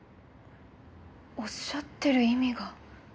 おっしゃってる意味が。